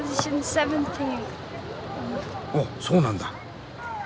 おっそうなんだ。